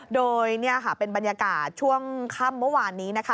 โดยเป็นบรรยากาศช่วงค่ำเมื่อวานนี้นะคะ